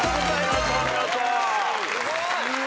すごい！